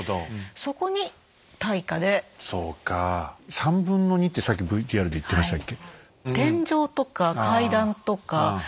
３分の２ってさっきＶＴＲで言ってましたっけ。